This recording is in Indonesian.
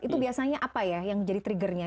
itu biasanya apa ya yang menjadi triggernya